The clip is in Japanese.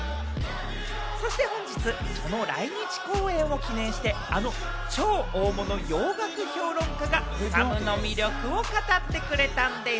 そして本日、その来日公演を記念して、あの超大物洋楽評論家がサムの魅力を語ってくれたんでぃす。